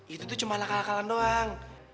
itu tuh cuma lakalan lakalan doang